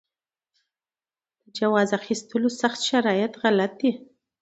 د جواز اخیستلو سخت شرایط غلط دي.